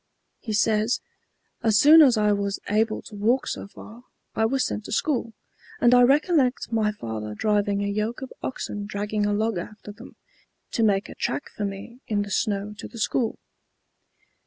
He says, "As soon as I was able to walk so far, I was sent to school, and I recollect my father driving a yoke of oxen dragging a log after them, to make a track for me in the snow to the school."